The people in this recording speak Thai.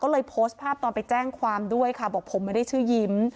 ก็เลยโพสต์ภาพตอนไปแจ้งความด้วยค่ะบอกผมไม่ได้ชื่อยิ้ม